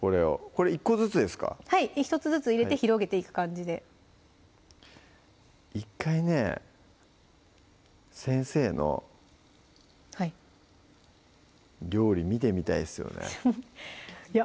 これ１個ずつですかはい１つずつ入れて広げていく感じで１回ね先生のはい料理見てみたいですよねいや